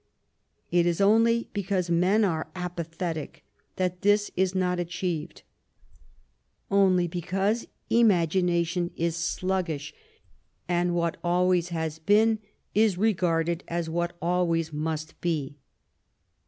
It is only because men are apathetic that this is not achieved, only because imagination is sluggish, and what always has been is regarded as what always must be.